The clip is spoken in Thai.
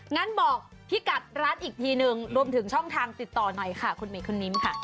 งั้นบอกพี่กัดร้านอีกทีหนึ่งรวมถึงช่องทางติดต่อหน่อยค่ะคุณหมีคุณนิมค่ะ